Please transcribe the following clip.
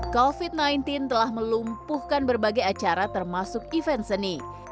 covid sembilan belas telah melumpuhkan berbagai acara termasuk event seni